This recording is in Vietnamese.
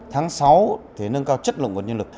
tháng sáu thì nâng cao chất lượng nguồn nhân lực